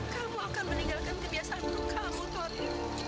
kamu akan meninggalkan kebiasaan untuk kamu topi